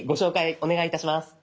お願いいたします。